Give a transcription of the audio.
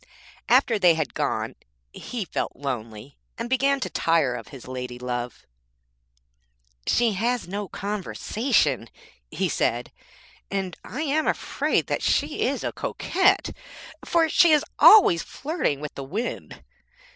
After they had gone he felt lonely, and began to tire of his lady love. 'She has no conversation,' he said, 'and I am afraid that she is a coquette, for she is always flirting with the wind.'